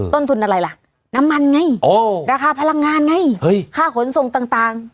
ต้นทุนอะไรล่ะน้ำมันไงราคาพลังงานไงค่าขนส่งต่าง